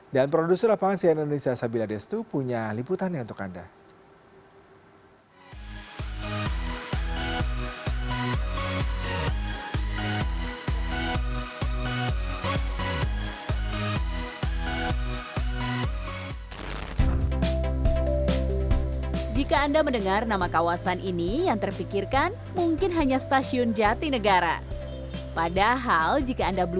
dan produsen lapangan si anonisa sabilades itu punya liputannya untuk anda